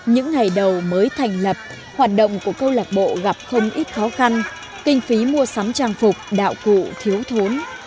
những ngày đầu mới thành lập hoạt động của câu lạc bộ gặp không ít khó khăn kinh phí mua sắm trang phục đạo cụ thiếu thốn